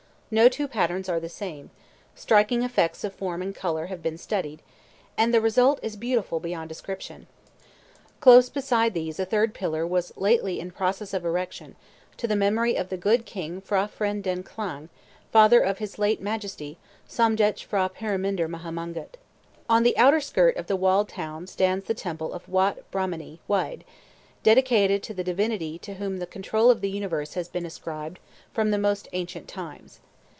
No two patterns are the same, striking effects of form and color have been studied, and the result is beautiful beyond description. Close beside these a third pillar was lately in process of erection, to the memory of the good King P'hra Phen den Klang, father of his late Majesty, Somdetch P'hra Paramendr Maha Mongkut. On the outer skirt of the walled town stands the temple Watt Brahmanee Waid, dedicated to the divinity to whom the control of the universe has been ascribed from the most ancient times.